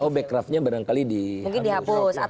oh back craftnya barangkali dihapus